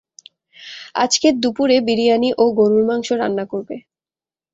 আজকে দুপুরে বিরিয়ানি ও গরুর মাংস রান্না করবে।